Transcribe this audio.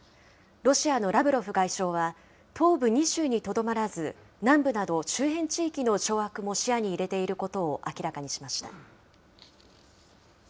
ロシアのラブロフ外相は、東部２州にとどまらず、南部など周辺地域の掌握も視野に入れていることを明らかにしました。